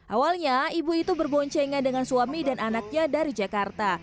awalnya ibu itu berboncengan dengan suami dan anaknya dari jakarta